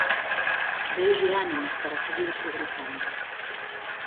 Deulle ánimos para seguir progresando.